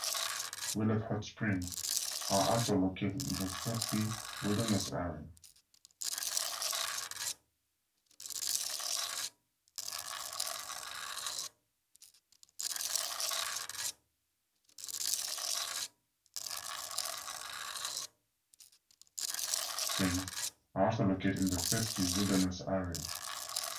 Willett Hot Springs are also located in the Sespe Wilderness area.